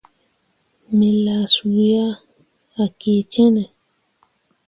A laa su ah, a kii cenne.